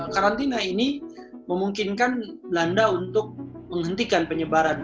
karantina ini memungkinkan belanda untuk menghentikan penyebaran